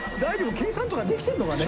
計算とかできてんのかね。